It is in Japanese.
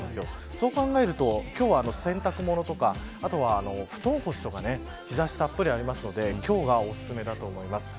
そう考えると今日は洗濯物とかあとは、布団干しとか日差したっぷりあるので今日はお勧めだと思います。